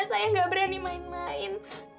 saya nggak berani main main